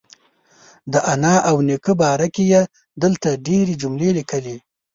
د انا او نیکه باره کې یې دلته ډېرې جملې لیکلي.